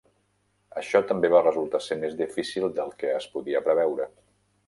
Això també va resultar ser més difícil del que es podia preveure.